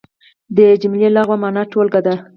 د جملې لغوي مانا ټولګه ده.